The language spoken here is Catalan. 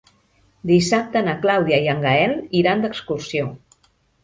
Dissabte na Clàudia i en Gaël iran d'excursió.